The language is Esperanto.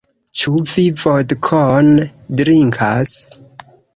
Ĉu vi vodkon drinkas?